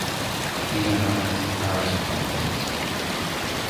These are known as the power-supply pins.